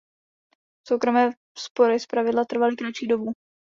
Soukromé spory zpravidla trvaly kratší dobu.